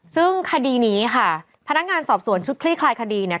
ซึ่งคดีนี้ค่ะพนักงานสอบสวนชุดคลี่คลายคดีเนี่ย